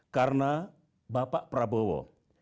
karena bapak prabowo